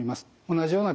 同じような